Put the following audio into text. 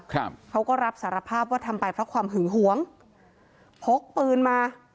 เขาก็รับสารภาพว่าทำไปเพราะความหึงหวงพกปืนมา